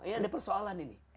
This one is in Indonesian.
ada persoalan ini